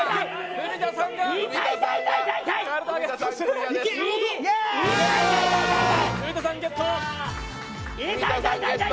古田さん、ゲット！